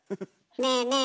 ねえねえ